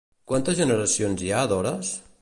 Quantes generacions hi ha d'Hores?